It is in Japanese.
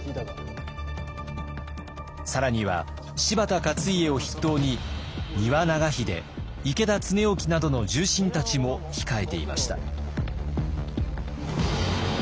更には柴田勝家を筆頭に丹羽長秀池田恒興などの重臣たちも控えていました。